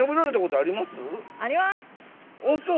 あっそう。